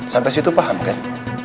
sampai situ paham kan